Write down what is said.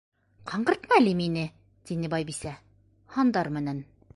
—Ҡаңғыртма әле мине, —тине Байбисә. —һандар менән